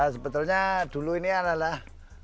sebetulnya dulu ini adalah